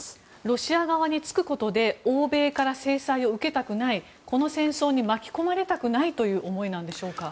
ロシア側につくことで欧米から制裁を受けたくない、この戦争に巻き込まれたくないという思いなんでしょうか。